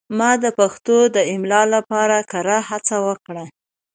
ما د پښتو د املا لپاره کره هڅه وکړه.